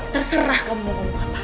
terserah kamu mau ngomong apa